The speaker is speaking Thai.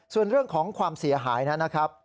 ส่วนเรื่องของความเสียหายนั้นนะครับ